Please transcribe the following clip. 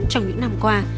trong những năm qua